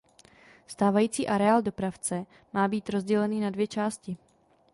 Stávající areál dopravce má být rozdělený na dvě části.